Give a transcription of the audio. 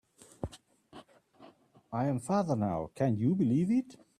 I am father now, can you believe it?